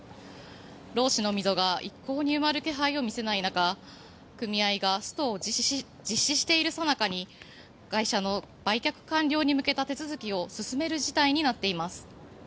労使の溝が一向に埋まる気配を見せない中組合がストを実施しているさなかに会社の売却完了に向けた手続きを進める事態になっています。